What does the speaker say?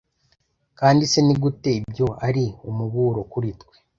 kandi se ni gute ibyo ari umuburo kuri twe